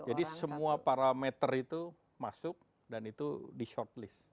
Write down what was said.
jadi semua parameter itu masuk dan itu di shortlist